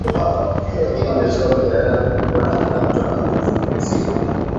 lakini imezua mjadala mkubwa na kila mtu anamzungumzia